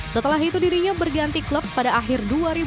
setelah itu dirinya berganti klub pada akhir dua ribu dua puluh